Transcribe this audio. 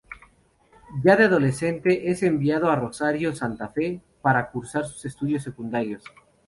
Ya de adolescente es enviado a Rosario, Santa Fe, para cursar sus estudios secundarios.